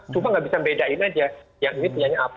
cuma tidak bisa membedakan saja yang ini punya apa